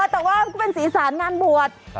แต่ว่าเป็นศีรษะงานบวช